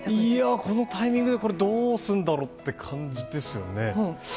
いやあ、このタイミングでこれはどうするんだろう？っていう感じですよね。